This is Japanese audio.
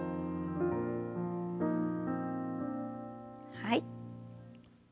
はい。